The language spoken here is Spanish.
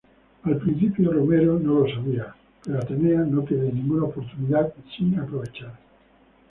Al principio, Romero no lo sabía, pero Atenea no pierde ninguna oportunidad sin aprovechar.